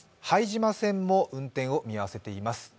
拝島線も運転を見合わせています。